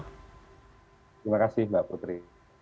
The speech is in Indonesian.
terima kasih mbak putri